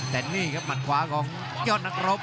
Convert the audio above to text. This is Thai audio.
แต่นี่ครับหมัดขวาของยอดนักรบ